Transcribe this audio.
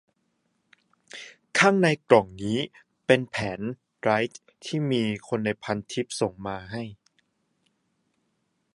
ข้างในกล่องนี่เป็นแผ่นไรต์ มีคนในพันทิปไรต์ส่งมาให้